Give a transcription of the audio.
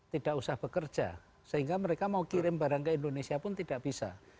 tidak usah bekerja sehingga mereka mau kirim barang ke indonesia pun tidak bisa